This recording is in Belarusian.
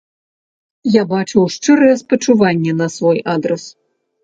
Я бачыў шчырае спачуванне на свой адрас.